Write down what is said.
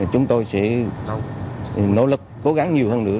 chúng tôi sẽ nỗ lực cố gắng nhiều hơn nữa